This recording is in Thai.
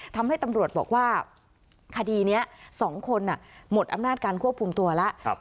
ทำให้ตำรวจบอกว่าคดีนี้๒คนหมดอำนาจการควบคุมตัวแล้ว